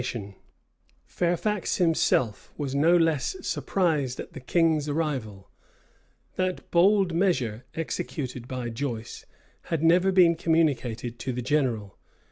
Clarendon, vol. v. p. 47. Fairfax himself was no less surprised at the king's arrival. That bold measure, executed by Joyce, had never been communicated to the general.